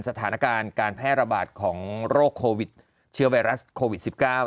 สถานการณ์การแพร่ระบาดของโรคโควิดเชื้อไวรัสโควิด๑๙